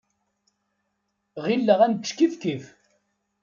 Ɣileɣ ad nečč kifkif.